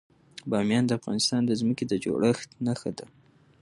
بامیان د افغانستان د ځمکې د جوړښت نښه ده.